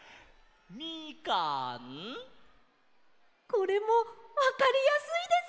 これもわかりやすいです！